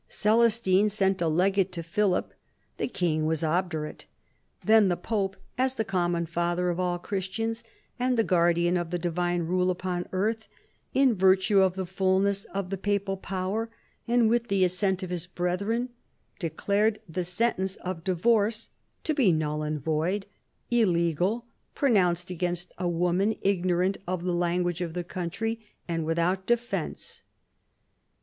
Celestine sent a legate to Philip. The king was obdurate. Then the pope, " as the common father of all Christians, and the guardian of the divine rule upon earth, in virtue of the fulness of the papal power, and with the assent of his brethren, declared the sentence of divorce to be null and void, illegal, pronounced against a woman ignorant of the language of the country and without defence."